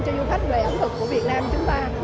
cho du khách về ẩm thực của việt nam chúng ta